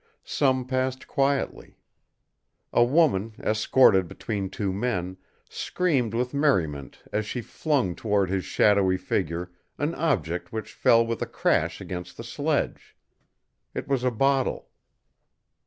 Some passed quietly. A woman, escorted between two men, screamed with merriment as she flung toward his shadowy figure an object which fell with a crash against the sledge. It was a bottle.